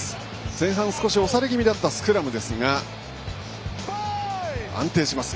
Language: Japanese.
前半、少し押され気味だったスクラムですが安定します。